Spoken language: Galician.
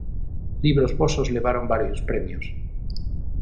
Libros vosos levaron varios premios...